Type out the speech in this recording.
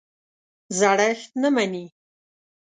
زړښت نه مني.